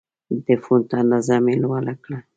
د فونټ اندازه مې لوړه کړه.